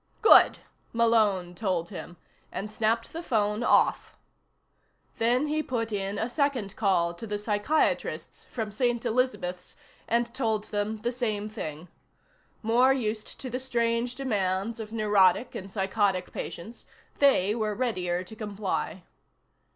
"Good," Malone told him, and snapped the phone off. Then he put in a second call to the psychiatrists from St. Elizabeths and told them the same thing. More used to the strange demands of neurotic and psychotic patients, they were readier to comply.